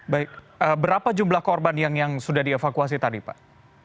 baik berapa jumlah korban yang sudah dievakuasi tadi pak